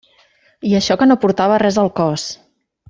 I això que no portava res al cos.